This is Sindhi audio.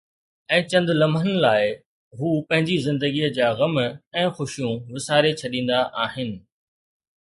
۽ چند لمحن لاءِ هو پنهنجي زندگيءَ جا غم ۽ خوشيون وساري ڇڏيندا آهن.